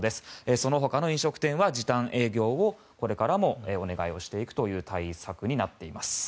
そのほかの飲食店は時短営業をこれからもお願いしていくという対策になっています。